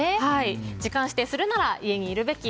時間指定するなら家にいるべき。